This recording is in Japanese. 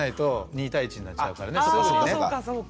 ２対１になっちゃうから。